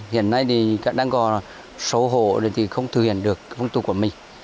hiện nay các bạn đang có số hộ thì không thực hiện được phương tục của mình